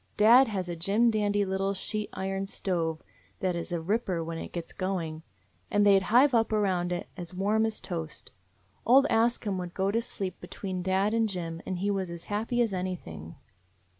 Dad has a jim dandy little sheet iron stove that is a ripper when it gets going, and they 'd hive up around it as warm as toast. Old Ask Him would go to sleep between dad and Jim and he was as happy as anything.